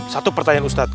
satu pertanyaan ustadz